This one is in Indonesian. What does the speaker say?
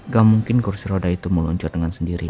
gak mungkin kursi roda itu meluncur dengan sendiri